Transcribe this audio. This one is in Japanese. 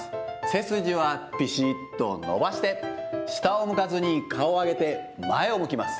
背筋はぴしっと伸ばして、下を向かずに顔を上げて前を向きます。